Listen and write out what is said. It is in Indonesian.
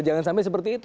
jangan sampai seperti itu